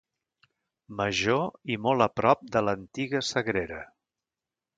Major i molt a prop de l'antiga sagrera.